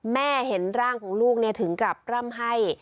เห็นร่างของลูกถึงกับร่ำไห้